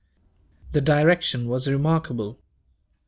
The direction was remarkable.